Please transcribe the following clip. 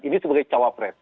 ini sebagai cawapres